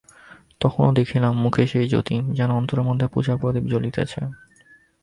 তখনো দেখিলাম মুখে সেই জ্যোতি, যেন অন্তরের মধ্যে পূজার প্রদীপ জ্বলিতেছে।